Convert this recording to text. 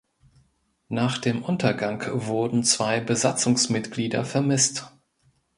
Nach dem Untergang wurden zwei Besatzungsmitglieder vermisst.